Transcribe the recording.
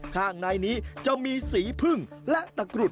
มักนิยมแขวนไว้หน้าร้านหรือหน้าบ้าน